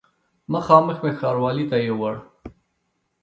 مخامخ مې ښاروالي ته یووړ.